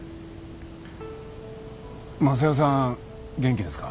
昌代さん元気ですか？